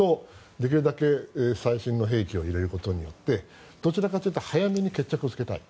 できるだけ最新の兵器を入れることによってどちらかというと早めに決着をつけたい。